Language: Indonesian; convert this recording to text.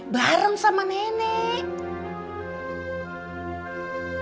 bareng sama nenek